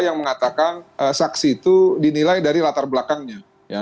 yang mengatakan saksi itu dinilai dari latar belakangnya